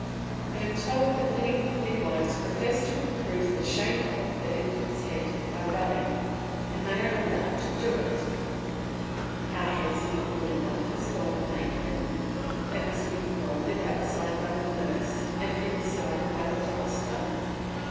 I am told that many midwives profess to improve the shape of the infant's head by rubbing, and they are allowed to do it. Our heads are not good enough as God made them, they must be moulded outside by the nurse and inside by the philosopher.